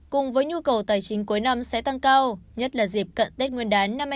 cùng với nhu cầu tài chính cuối năm sẽ tăng cao nhất là dịp cận tết nguyên đán năm hai nghìn hai mươi